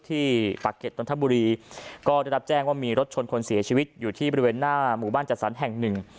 ที่ปากเก็ตนนทบุรีก็ได้รับแจ้งว่ามีรถชนคนเสียชีวิตอยู่ที่บริเวณหน้าหมู่บ้านจัดสรรแห่งหนึ่ง